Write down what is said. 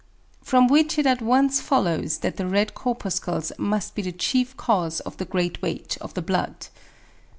From which it at once follows that the red corpuscles must be the chief cause of the great weight of the blood.